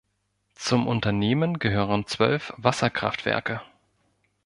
Zum Unternehmen gehören zwölf Wasserkraftwerke.